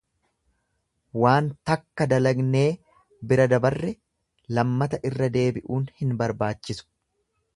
Waan takka dalagnee bira dabarre lammata irra deebi'uun hin barbaachisu.